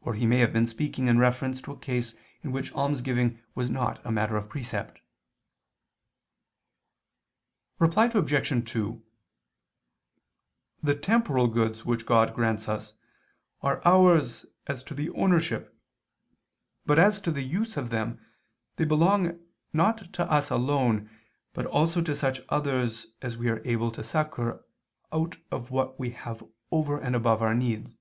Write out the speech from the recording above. Or he may have been speaking in reference to a case in which almsgiving was not a matter of precept. Reply Obj. 2: The temporal goods which God grants us, are ours as to the ownership, but as to the use of them, they belong not to us alone but also to such others as we are able to succor out of what we have over and above our needs.